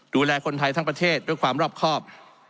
ดูแลคนไทยทั้งประเทศด้วยความรอบครอบ